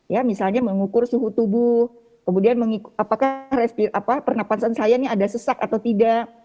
ya misalnya mengukur suhu tubuh kemudian apakah pernafasan saya ini ada sesak atau tidak